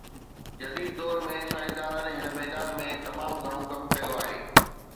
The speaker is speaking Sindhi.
جديد دور ۾ سائنسدانن هن ميدان ۾ تمام گهڻو ڪم ڪيو آهي